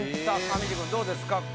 さあ上地君どうですか？